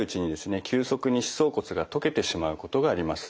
急速に歯槽骨が溶けてしまうことがあります。